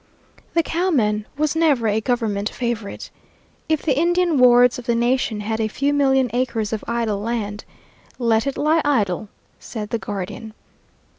The cowman was never a government favorite. If the Indian wards of the nation had a few million acres of idle land, "Let it lie idle," said the guardian.